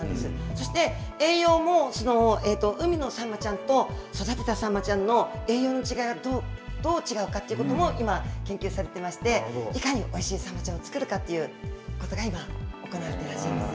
そして、栄養も、海のサンマちゃんと育てたサンマちゃんの栄養の違いがどう違うかということも今、研究されていまして、いかにおいしいサンマちゃんを作るかっていうことが今行われていらっしゃいます。